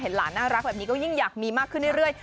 หลานน่ารักแบบนี้ก็ยิ่งอยากมีมากขึ้นเรื่อย